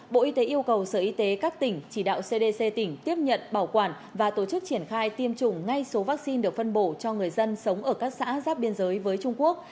bộ y tế yêu cầu sở y tế các tỉnh chỉ đạo cdc tỉnh tiếp nhận bảo quản và tổ chức triển khai tiêm chủng ngay số vaccine được phân bổ cho người dân sống ở các xã giáp biên giới với trung quốc